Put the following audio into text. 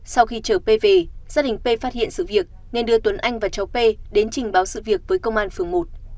sau khi trở về gia đình p phát hiện sự việc nên đưa tuấn anh và cháu p đến trình báo sự việc với công an phường một